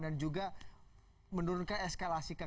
dan juga menurunkan eskalasi kesehatan